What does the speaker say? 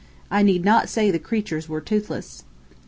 I need not say the creatures were toothless.